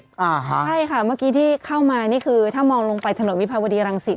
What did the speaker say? ใช่ค่ะเมื่อกี้ที่เข้ามานี่คือถ้ามองลงไปถนนวิภาวดีรังสิต